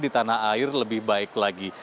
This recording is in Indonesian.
di tanah air lebih baik lagi